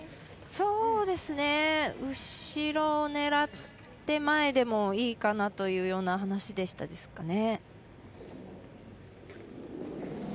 そうですね、後ろを狙って前でもいいというような話でしたかね。